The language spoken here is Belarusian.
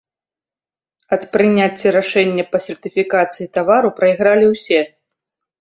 Ад прыняцця рашэння па сертыфікацыі тавару прайгралі ўсе.